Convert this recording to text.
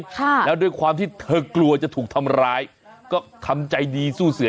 ค่ะแล้วด้วยความที่เธอกลัวจะถูกทำร้ายก็ทำใจดีสู้เสือ